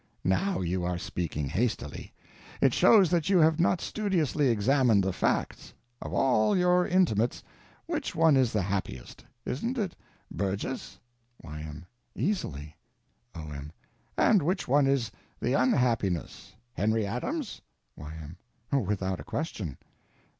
Now you are speaking hastily. It shows that you have not studiously examined the facts. Of all your intimates, which one is the happiest? Isn't it Burgess? Y.M. Easily. O.M. And which one is the unhappiest? Henry Adams? Y.M. Without a question!